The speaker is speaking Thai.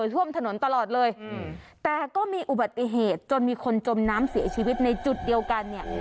ท่วมถนนตลอดเลยแต่ก็มีอุบัติเหตุจนมีคนจมน้ำเสียชีวิตในจุดเดียวกันเนี่ย